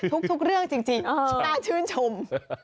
ทุกเรื่องจริงน่าชื่นชม